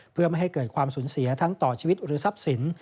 เพื่อไม่ให้เกิดความสูญเสียทั้งต่อชีวิตหรือทรัพย์สิน